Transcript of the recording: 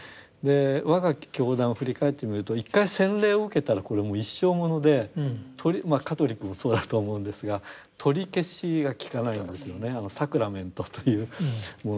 我が教団を振り返ってみると一回洗礼を受けたらこれもう一生ものでまあカトリックもそうだとは思うんですが取り消しが効かないんですよねサクラメントというもの。